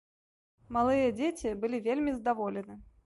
Малыя дзеці былі вельмі здаволены.